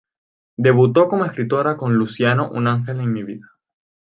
Debutó como escritora con ""Luciano, un ángel en mi vida"".